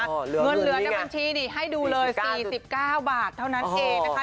เงินเหลือในบัญชีนี่ให้ดูเลย๔๙บาทเท่านั้นเองนะคะ